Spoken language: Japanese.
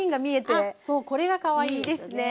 あっそうこれがかわいいですよね。